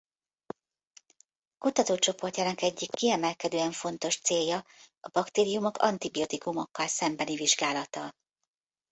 Kutatócsoportjának egyik kiemelkedően fontos célja a baktériumok antibiotikumokkal szembeni vizsgálata.